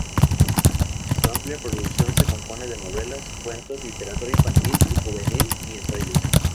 Su amplia producción se compone de novelas, cuentos, literatura infantil y juvenil y ensayos.